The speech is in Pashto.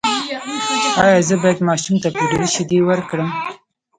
ایا زه باید ماشوم ته پوډري شیدې ورکړم؟